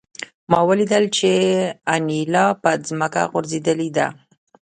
ما ولیدل چې انیلا په ځمکه غورځېدلې ده